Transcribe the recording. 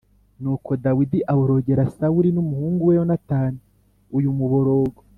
Nuko Dawidi aborogera Sawuli n’umuhungu we Yonatani uyu muborogo